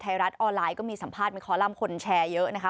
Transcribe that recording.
ไทยรัฐออนไลน์ก็มีสัมภาษณ์มีคอลัมป์คนแชร์เยอะนะคะ